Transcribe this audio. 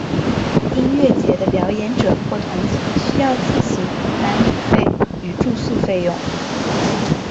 音乐节的表演者或团体需要自行负担旅费与住宿费用。